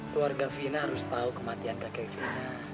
keluarga fina harus tahu kematian kakek vina